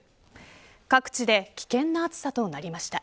各地で危険な暑さとなりました。